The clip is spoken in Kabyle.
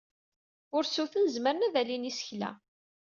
Ursuten zemren ad alin isekla.